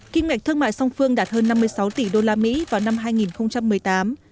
kinh ngạch thương mại song phương đạt hơn năm mươi sáu tỷ đô la mỹ vào năm hai nghìn một mươi tám